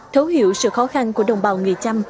thấu hiểu sự khó khăn của đồng bào người chăm